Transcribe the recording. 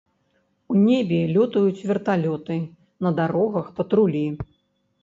У небе лётаюць верталёты, на дарогах патрулі.